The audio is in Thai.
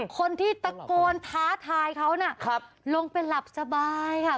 คนที่ตะโกนท้าทายเขาน่ะลงไปหลับสบายค่ะ